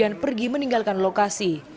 kemudian pergi meninggalkan lokasi